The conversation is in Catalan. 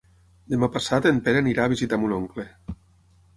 Demà passat en Pere irà a visitar mon oncle.